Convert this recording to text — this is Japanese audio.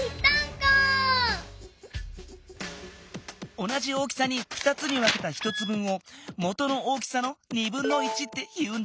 おなじ大きさに２つにわけた１つぶんをもとの大きさのっていうんだ。